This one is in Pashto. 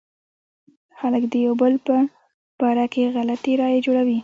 خلک د يو بل په باره کې غلطې رايې جوړوي.